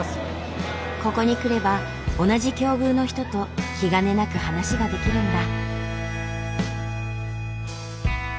ここに来れば同じ境遇の人と気兼ねなく話ができるんだ。